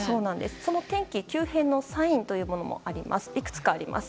その天気急変のサインというのもいくつかあります。